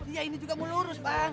iya ini juga mau lurus bang